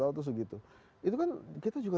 tahu tuh segitu itu kan kita juga